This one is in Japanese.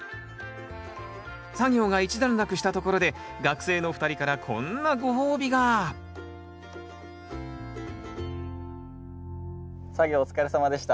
作業が一段落したところで学生のお二人からこんなご褒美が作業お疲れさまでした。